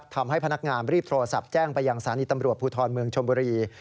ทำให้พนักงานรีบโทรศัพท์แจ้งไปยังสถานีตำรวจภูทรเมืองชมบุรี